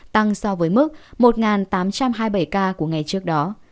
tăng so với mức một tám trăm hai mươi bảy ca của ngày trước đó